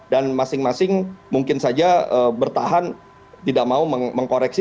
dan masing masing mungkin saja bertahan tidak mau mengkoreksi